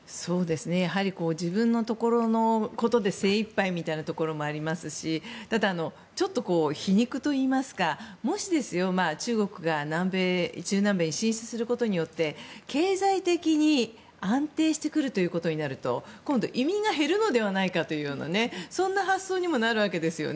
やはり自分のところのことで精いっぱいみたいなところもありますしただ、皮肉と言いますかもし、中国が中南米に進出することによって経済的に安定してくるということになると今度、移民が減るのではというそんな発想にもなるわけです。